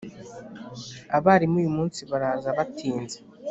abarimu uyumunsi baraza batinze